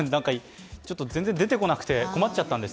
ちょっと全然出てこなくて困っちゃったんです。